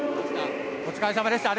お疲れさまでした。